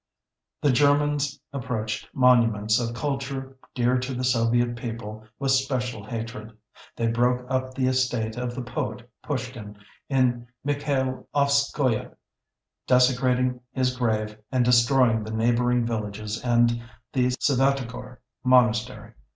The Germans approached monuments of culture, dear to the Soviet people, with special hatred. They broke up the estate of the poet Pushkin in Mikhailovskoye, desecrating his grave, and destroying the neighboring villages and the Svyatogor monastery.